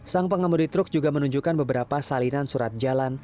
sang pengemudi truk juga menunjukkan beberapa salinan surat jalan